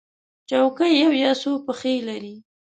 چوکۍ یو یا څو پښې لري.